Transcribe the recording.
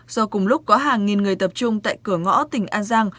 do cùng lúc có hàng nghìn người tập trung tại cửa ngõ tỉnh an giang